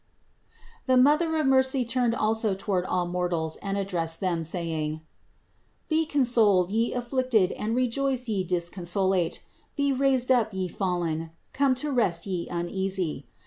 483. The Mother of mercy turned also toward all mortals and addressed them, saying: "Be consoled ye afflicted and rejoice ye disconsolate, be raised up ye fallen, come to rest ye uneasy.